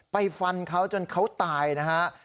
ไปฟันเขาจนเขาตายนะครับ